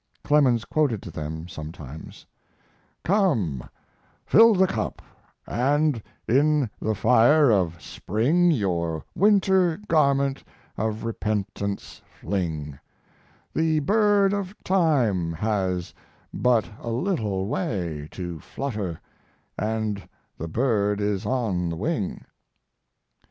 Clemens quoted to them sometimes: Come, fill the cup, and in the fire of spring Your winter garment of repentance fling; The bird of time has but a little way To flutter, and the bird is on the wing.